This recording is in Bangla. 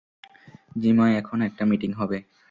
জিমে এখন একটা মিটিং হবে।